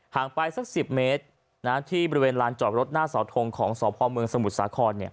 ห่างไปสัก๑๐เมตรที่บริเวณลานจอบรถหน้าสาวทงของสอบพ่อเมืองสมุทรสาขอ